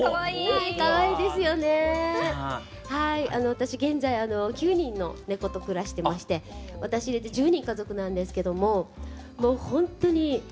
私現在９人の猫と暮らしてまして私入れて１０人家族なんですけどももうほんとに。